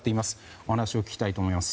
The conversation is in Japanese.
お話を聞きたいと思います。